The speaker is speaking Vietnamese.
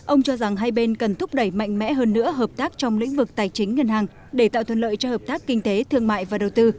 ông cho rằng hai bên cần thúc đẩy mạnh mẽ hơn nữa hợp tác trong lĩnh vực tài chính ngân hàng để tạo thuận lợi cho hợp tác kinh tế thương mại và đầu tư